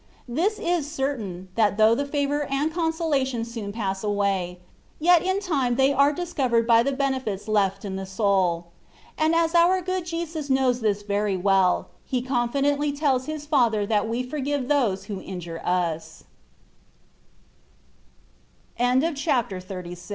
This is certain, that though the favour and consolation soon pass away, yet in time they are discovered by the benefits left in the soul. And as our Good Jesus knows this very well, He confid^itly tells His Father that we forgive those